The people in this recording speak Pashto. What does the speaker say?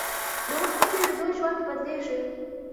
د وخت په تېرېدو ژوند بدلېږي.